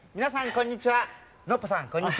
こんにちは。